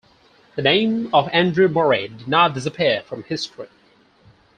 The name of Andrew Moray did not disappear from history.